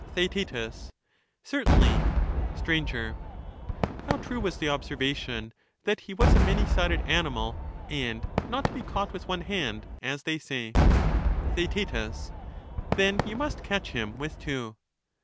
^ TheaeU Certainly. Str, How true was the observation that he was a many sided animal, and not to be caught with one hand, as they say I TheaeU Then you must catch him with two.